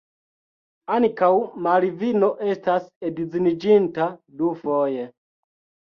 Ankaŭ Malvino estas edziniĝinta dufoje.